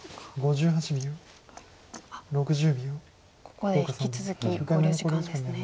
ここで引き続き考慮時間ですね。